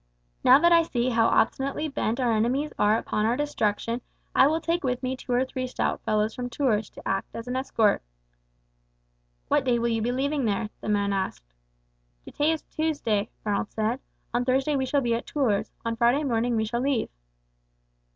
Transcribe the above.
Now that I see how obstinately bent our enemies are upon our destruction I will take with me two or three stout fellows from Tours, to act as an escort." "What day will you be leaving there?" the man asked. "Today is Tuesday," Ronald said; "on Thursday we shall be at Tours, on Friday morning we shall leave."